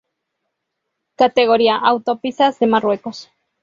Categoría: Autopistas de Marruecos